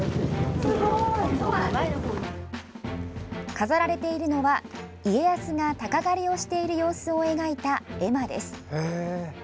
飾られているのは家康が鷹狩りをしている様子を描いた絵馬です。